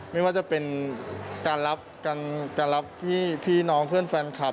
ไม่ว่าจะเป็นการรับการรับพี่น้องเพื่อนแฟนคลับ